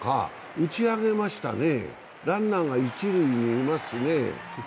打ち上げましたね、ランナーが一塁にいますね。